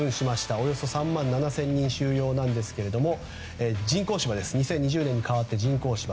およそ３万７０００人収容ですが２０２０年に変わって人工芝。